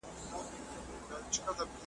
زموږ به نغري وي تش له اورونو .